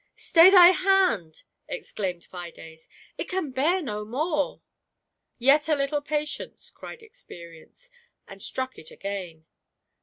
" Stay thy hand !" exclaimed Fides ;" it can bear no more." " Yet a little patience," cried Experience, and struck it again.